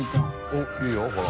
おっいいよほら。